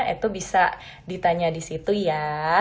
itu bisa ditanya di situ ya